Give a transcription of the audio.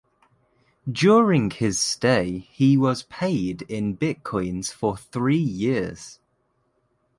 During his stay he was paid in bitcoins for three years.